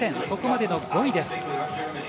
ここまでの５位です。